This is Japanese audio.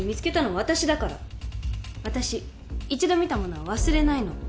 私一度見たものは忘れないの。